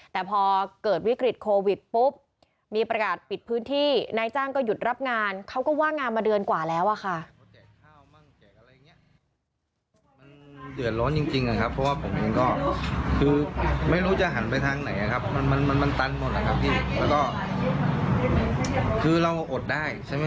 แต่พอเกิดวิกฤตโควิดปุ๊บมีประกาศปิดพื้นที่นายจ้างก็หยุดรับงานเขาก็ว่างงานมาเดือนกว่าแล้วอะค่ะ